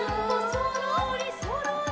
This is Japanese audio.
「そろーりそろり」